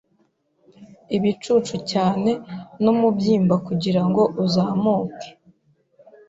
ibicucu cyane numubyimba kugirango uzamuke